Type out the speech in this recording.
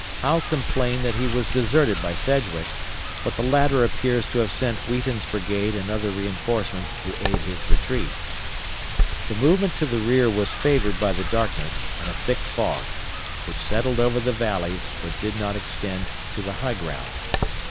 Howe complained that he was deserted by Sedgwick, but the latter appears to have sent Wheaton's brigade and other reinforcements to aid his retreat. The movement to the rear was favored by the darkness and a thick fog, which settled over the valleys, but did not extend to the high ground.